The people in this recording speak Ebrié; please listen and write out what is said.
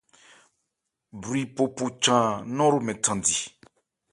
Bwri phohpo chan nnɔ́n hromɛn thandi.